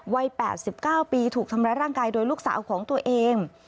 วัย๘๙ปีถูกทำร้ายร่างกายโดยลูกสาวของตัวเอง